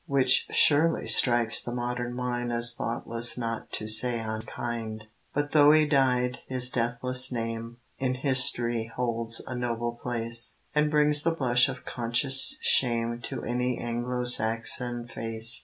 (Which surely strikes the modern mind As thoughtless, not to say unkind.) But tho' he died, his deathless name In Hist'ry holds a noble place, And brings the blush of conscious shame To any Anglo Saxon face.